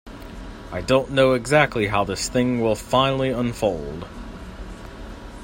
I don't know exactly how this thing will finally unfold...